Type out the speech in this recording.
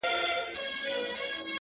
ښار د سوداګرو دی په یار اعتبار مه کوه٫